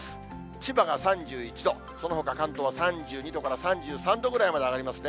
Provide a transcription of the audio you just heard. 千葉が３１度、そのほか、関東は３２度から３３度ぐらいまで上がりますね。